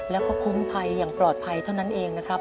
แล้วก็คุ้มภัยอย่างปลอดภัยเท่านั้นเองนะครับ